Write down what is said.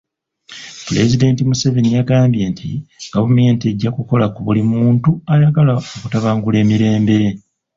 Pulezidenti Museveni yagambye nti gavumenti ejja kukola ku buli muntu ayagala okutabangula emirembe.